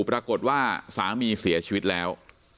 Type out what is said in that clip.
ปรากฏว่าสามีเสียชีวิตแล้ว